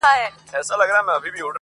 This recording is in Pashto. o په ترخو کي یې لذت بیا د خوږو دی,